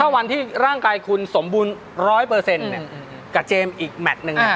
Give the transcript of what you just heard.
ถ้าวันที่ร่างกายคุณสมบูรณ์ร้อยเปอร์เซ็นต์กับเจมส์อีกแมทซ์หนึ่ง